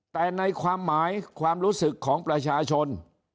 แต่ในความหมายความรู้สึกของประชาชน